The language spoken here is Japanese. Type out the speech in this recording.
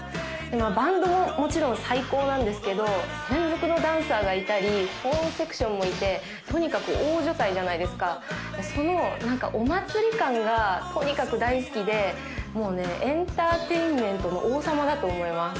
バンドももちろん最高なんですけど専属のダンサーがいたりホーンセクションもいてとにかく大所帯じゃないですかその何かお祭り感がとにかく大好きでもうねエンターテインメントの王様だと思います